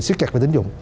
siết chặt về tín dụng